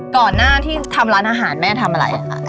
ก่อนหน้าที่ทำร้านอาหารแม่ทำอะไรคะ